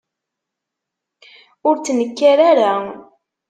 Ur ttnekkar ara.